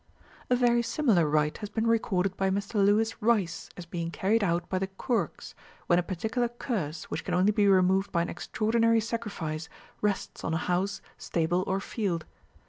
A very similar rite has been recorded by Mr Lewis Rice as being carried out by the Coorgs, when a particular curse, which can only be removed by an extraordinary sacrifice, rests on a house, stable, or field.